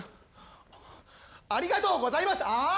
ありがとうございますあ！